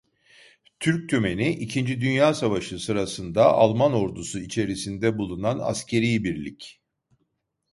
Türk Tümeni ikinci Dünya Savaşı sırasında Alman ordusu içerisinde bulunan askeri birlik.